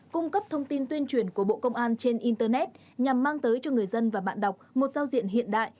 cung cấp thông tin tuyên truyền của bộ công an trên internet nhằm mang tới cho người dân và bạn đọc một giao diện hiện đại